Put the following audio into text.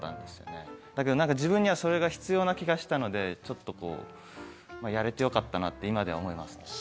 だけどなんか自分にはそれが必要な気がしたのでちょっとこうやれてよかったなって今では思いますね。